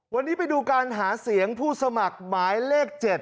วันนี้ไปดูการหาเสียงผู้สมัครหมายเลข๗